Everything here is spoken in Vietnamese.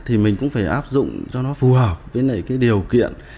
thì mình cũng phải áp dụng cho nó phù hợp với cái điều kiện